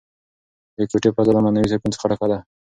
د کوټې فضا له معنوي سکون څخه ډکه وه.